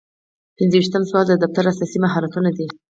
پنځه شپیتم سوال د دفتر اساسي مهارتونه دي.